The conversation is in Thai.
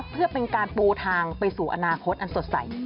เพื่อเป็นการปูทางไปสู่อนาคตอันสดใส